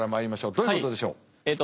どういうことでしょう？